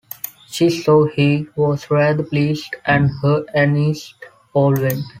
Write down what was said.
She saw he was rather pleased, and her anxiety all went.